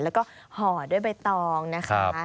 แล้วก็ห่อด้วยใบตองนะคะ